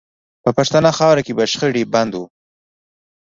په پښتنه خاوره کې به شخړې بندوو